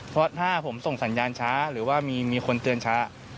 เพราะถ้าผมส่งสัญญาณช้าหรือว่ามีคนเตือนช้า